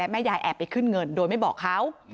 แม่ยายแอบไปขึ้นเงินโดยไม่บอกเขา